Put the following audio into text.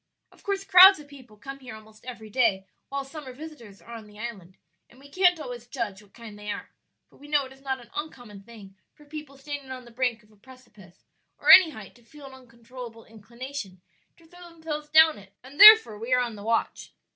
"Of course crowds of people come here almost every day while summer visitors are on the island, and we can't always judge what kind they are; but we know it is not an uncommon thing for people standing on the brink of a precipice or any height to feel an uncontrollable inclination to throw themselves down it, and therefore we are on the watch.